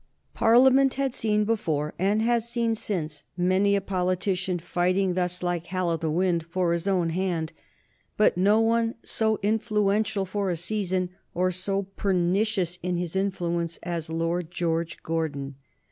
Parliament had seen before, and has seen since, many a politician fighting thus like Hal o' the Wynd for his own hand, but no one so influential for a season or so pernicious in his influence as Lord George Gordon.